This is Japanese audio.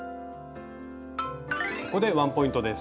ここでワンポイントです！